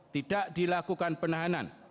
tidak dilakukan penahanan